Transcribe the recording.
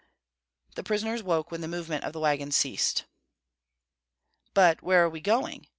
The prisoners woke when the movement of the wagon ceased. "But where are we going?"